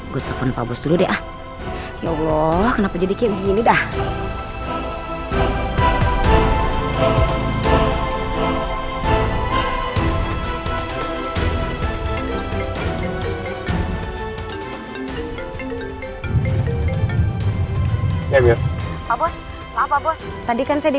bapak bapak makasih ya